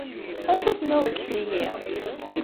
Acu tenniḍ deg tiyi?